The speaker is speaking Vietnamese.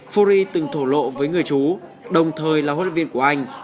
furi từng thổ lộ với người chú đồng thời là huấn luyện viên của anh